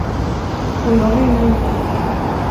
Och jag bryr mig inte.